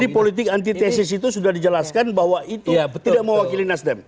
di politik antitesis itu sudah dijelaskan bahwa itu tidak mewakili nasdem